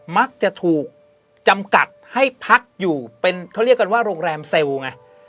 มักจะถูกจำกัดให้พักอยู่เป็นเขาเรียกกันว่าโรงแรมเซลล์ไง